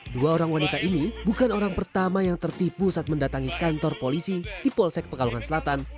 dua orang wanita ini bukan orang pertama yang tertipu saat mendatangi kantor polisi di polsek pekalongan selatan